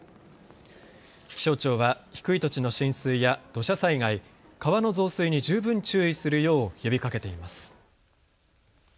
気象庁は低い土地の浸水や土砂災害、川の増水に十分注意するよう呼びかけています。